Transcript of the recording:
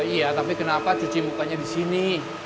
iya tapi kenapa cuci mukanya di sini